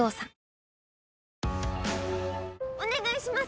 お願いします！